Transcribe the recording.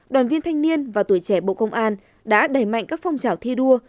đoàn viên thanh niên và tuổi trẻ bộ công an đã đẩy mạnh các phong trào thi đua